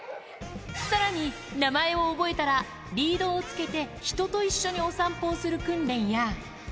さらに、名前を覚えたらリードをつけて人と一緒にお散歩をする訓練や。